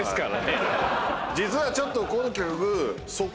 実はちょっとこの企画。